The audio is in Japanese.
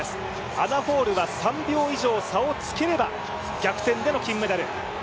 アナ・ホールは３秒以上差をつければ逆転での銀メダル。